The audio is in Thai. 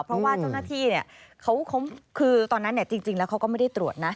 เพราะว่าเจ้าหน้าที่เขาคือตอนนั้นจริงแล้วเขาก็ไม่ได้ตรวจนะ